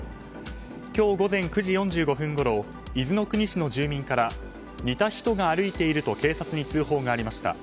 今日午前９時４５分ごろ伊豆の国市の住民から似た人が歩いていると警察に通報がありました。